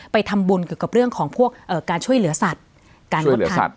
ไปทำบุญเกี่ยวกับเรื่องของพวกการช่วยเหลือสัตว์การเงินสัตว